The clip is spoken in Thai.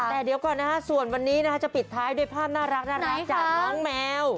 แต่เดี๋ยวก่อนนะฮะส่วนวันนี้นะคะจะปิดท้ายด้วยภาพน่ารักจากน้องแมว